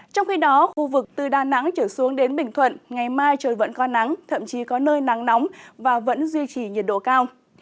trong khi đó khu vực từ đà nẵng trở xuống đến bình thuận ngày mai trời vẫn có nắng thậm chí có nơi nắng nóng và vẫn duy trì nhiệt độ cao